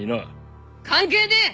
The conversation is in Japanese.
関係ねえ。